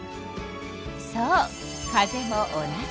そう風も同じ。